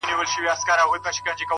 De què és patró en algunes zones?